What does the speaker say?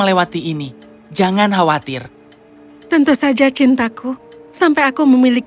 seacuun hari ke lima belas